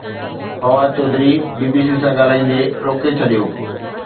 Fawad Chaudhry B B C سان ڳالهائيندي روڪي ڇڏيو